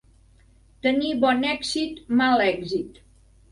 Tenir bon èxit, mal èxit.